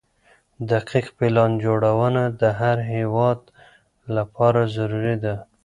دقيق پلان جوړونه د هر هيواد لپاره ضروري ده.